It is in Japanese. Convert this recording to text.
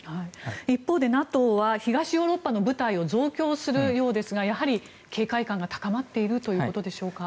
一方でＮＡＴＯは東ヨーロッパの部隊を増強するようですがやはり警戒感が高まっているということでしょうか。